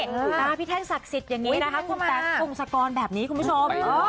ตราพิทักษ์ศักดิ์สักสิทธิ์อย่างนี้นะคะคุณตั๊กโขงสกรแบบนี้คุณผู้ชม